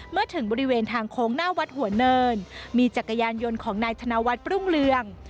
เมื่อถึงบริเวณทางโค้งหน้าวัดหัวเนินมีจักรยานยนต์ของนายธนวัฒน์รุ่งเรือง